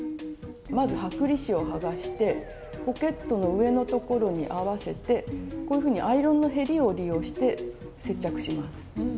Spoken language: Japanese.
まず剥離紙を剥がしてポケットの上のところに合わせてこういうふうにアイロンのへりを利用して接着します。